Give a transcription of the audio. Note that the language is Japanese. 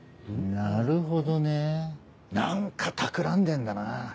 なるほどね何か企んでんだな。